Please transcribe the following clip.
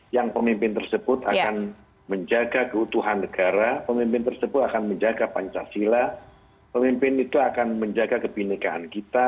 yang pemimpin tersebut akan menjaga keutuhan negara pemimpin tersebut akan menjaga pancasila pemimpin itu akan menjaga kebenekaan kita